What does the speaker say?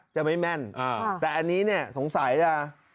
จะไม่แม่นแต่อันนี้เนี่ยสงสัยจะ